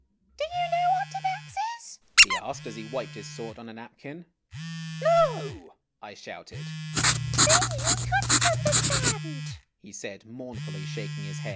" Do you know what dnax is ?" he asked, as he wiped his sword on a napkin. " No !" I shouted. "Then you could lit understand," he said, mournfully shaking his head.